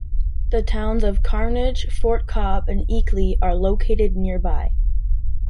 The towns of Carnegie, Fort Cobb, and Eakly are located nearby.